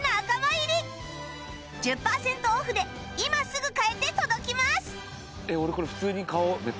１０パーセントオフで今すぐ買えて届きます